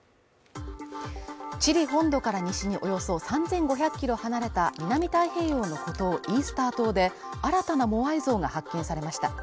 チリ本土から西におよそ３５００キロ離れた南太平洋の孤島イースター島で新たなモアイ像が発見されました。